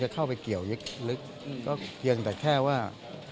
เข้าไปเกี่ยวยักลึกก็เพียงแต่แค่ว่า